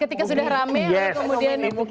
ketika sudah ramai kemudian mugidi